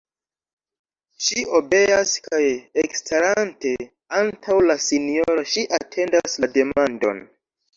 Ŝi obeas kaj ekstarante antaŭ la sinjoro, ŝi atendas la demandon.